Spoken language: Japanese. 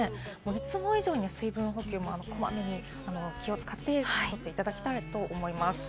いつも以上に水分補給、こまめに気を使って取っていただきたいと思います。